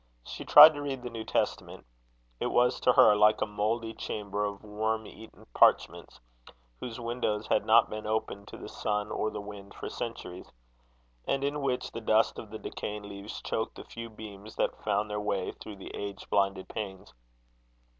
She tried to read the New Testament: It was to her like a mouldy chamber of worm eaten parchments, whose windows had not been opened to the sun or the wind for centuries; and in which the dust of the decaying leaves choked the few beams that found their way through the age blinded panes.